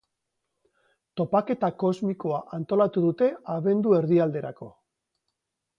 Topaketa kosmikoa antolatu dute abendu erdialderako.